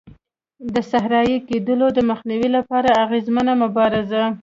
د صحرایې کېدلو د مخنیوي لپاره اغېزمنه مبارزه.